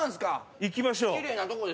行きましょう。